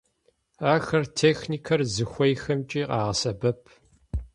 Ахэр техникэр зыхуейхэмкӀи къагъэсэбэп.